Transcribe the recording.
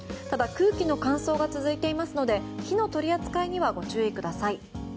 ただ、空気の乾燥が続いていますので火の取り扱いにはご注意ください。